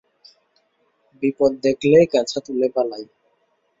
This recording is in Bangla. বিপদ দেখলেই কাছা তুলে পালায়।